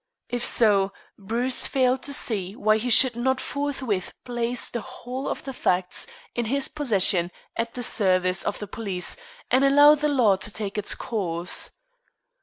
If so, Bruce failed to see why he should not forthwith place the whole of the facts in his possession at the service of the police, and allow the law to take its course.